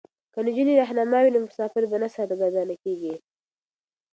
که نجونې رهنما وي نو مسافر به نه سرګردانه کیږي.